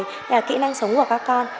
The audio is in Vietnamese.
hay là kỹ năng sống của các con